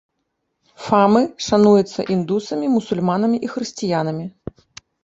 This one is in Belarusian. Фамы шануецца індусамі, мусульманамі і хрысціянамі.